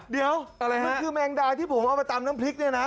เดี๋ยวมันคือแมงดาที่ผมเอามาตำน้ำพริกเนี่ยนะ